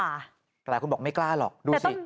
อะไรคุณบอกไม่กล้าหรอกดูสิ